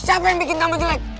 siapa yang bikin tambah jelek